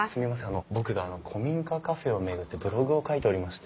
あの僕古民家カフェを巡ってブログを書いておりまして。